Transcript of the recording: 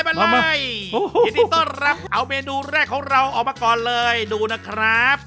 ยินดียินดีต้อนรับเอาเมนูแรกของเราออกมาก่อนเลยดูนะครับ